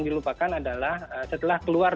dilupakan adalah setelah keluar